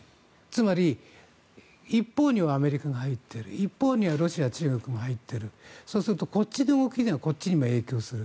つまり一方にはアメリカが入っている一方にはロシア、中国が入っているそうするとこっちの動きがこっちにも影響する。